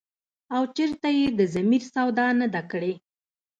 او چرته ئې د ضمير سودا نه ده کړې ۔”